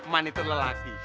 man itu lelaki